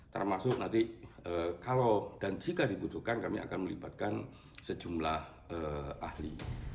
termasuk nanti kalau dan jika dibutuhkan kami akan melibatkan sejumlah ahli